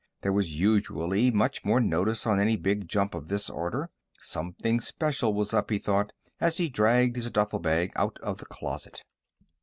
There was usually much more notice on any big jump of this order. Something special was up, he thought, as he dragged his duffle bag out of the closet.